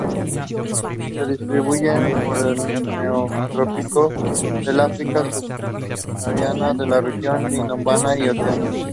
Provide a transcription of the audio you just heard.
Se distribuyen por el Neotrópico, el África subsahariana, la región indomalaya y Oceanía.